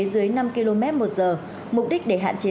dưới năm km một giờ mục đích để hạn chế